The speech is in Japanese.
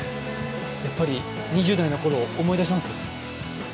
やっぱり２０代のころを思い出します？